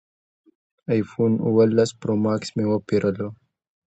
ایفون اوولس پرو ماکس مې وپېرلو